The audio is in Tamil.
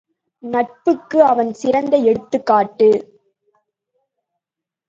நட்புக்கு அவன் சிறந்த எடுத்துக் காட்டு.